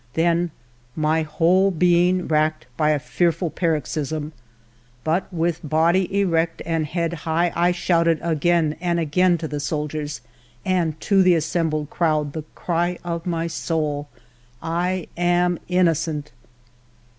Then, my whole being racked by a fearful paroxysm, but with body erect and head high, I shouted again and again to the soldiers and to the assembled crowd the cry of my soul. " I am innocent